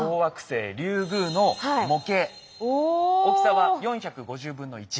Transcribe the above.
大きさは４５０分の１。